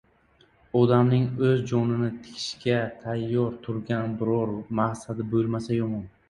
Odamning o‘z jonini tikishga ham tayyor turgan biron maqsadi bo‘lmasa yomon.